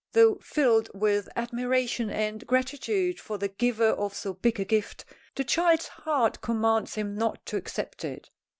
Though filled with admiration and gratitude for the giver of so big a gift, the child's heart commands him not to accept it.